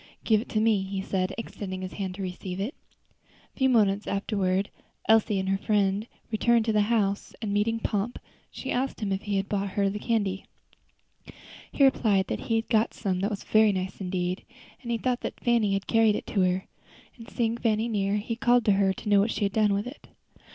"Give it to me," he said, extending his hand to receive it. A few moments afterward Elsie and her friend returned to the house, and meeting Pomp, she asked him if he had brought her candy. He replied that he had got some that was very nice indeed, and he thought that Fanny had carried it to her; and seeing Fanny near, he called to her to know what she had done with it.